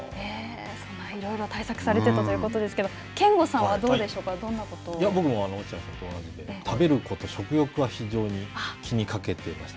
いろいろ対策されてたということですけど、憲剛さんはどうでしょうか、僕も落合さんと同じで食べること、食欲は非常に気にかけていました。